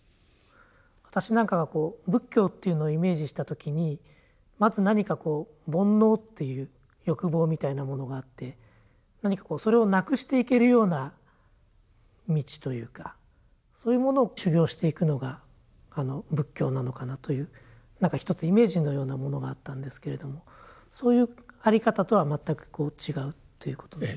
私なんかがこう仏教というのをイメージした時にまず何かこう煩悩っていう欲望みたいなものがあって何かこうそれをなくしていけるような道というかそういうものを修行していくのが仏教なのかなというなんか一つイメージのようなものがあったんですけれどもそういうあり方とは全く違うっていうことで。